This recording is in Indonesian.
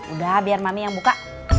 udah biar mami yang buka